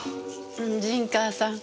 陣川さん